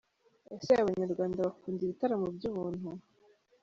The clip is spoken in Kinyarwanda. Ese Abanyarwanda bakunda ibitaramo by’ubuntu?